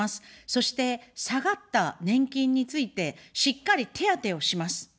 そして、下がった年金についてしっかり手当をします。